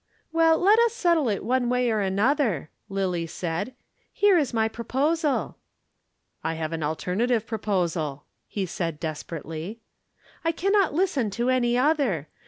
"Well, let us settle it one way or another," Lillie said. "Here is my proposal " "I have an alternative proposal," he said desperately. "I cannot listen to any other.